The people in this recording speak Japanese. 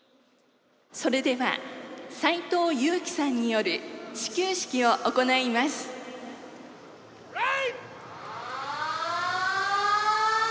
それでは斎藤佑樹さんによる始球式を行いますプレー！